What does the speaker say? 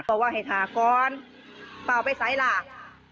เพราะว่าให้ทากรเปล่าไปใส่หลัก